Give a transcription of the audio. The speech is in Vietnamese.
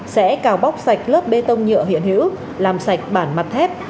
sẽ cào bóc sạch lớp bê tông nhựa hiện hữu làm sạch bản mặt thép